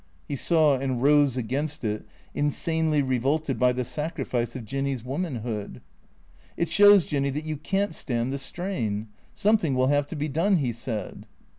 He saw and rose against it, insanely revolted by the sacrifice of Jinny's womanhood. " It shows. Jinny, that you ca^i't stand the strain. Some thing will have to be done," he said.